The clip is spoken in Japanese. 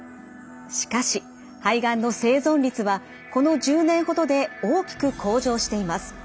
しかし肺がんの生存率はこの１０年ほどで大きく向上しています。